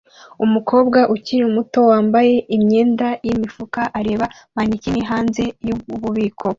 Umukobwa ukiri muto wambaye imyenda yimifuka areba manikin hanze yububiko